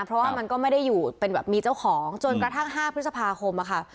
เพราะว่ามันก็ไม่ได้อยู่เป็นแบบมีเจ้าของจนกระทั่ง๕พฤษภาคมอะค่ะ